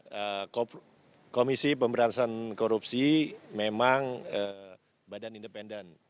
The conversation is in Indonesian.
karena komisi pemberantasan korupsi memang badan independen